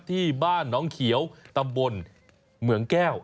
ที่บ้านน้องเขียวตำบลเหมืองแก้ว